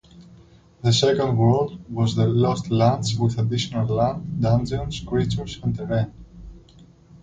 The second world was the "Lost Lands", with additional land, dungeons, creatures, and terrain.